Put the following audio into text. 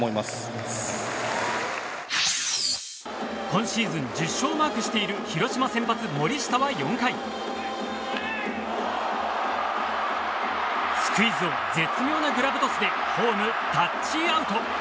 今シーズン１０勝をマークしている広島の先発、森下は４回スクイズを絶妙なグラブトスでホームタッチアウト。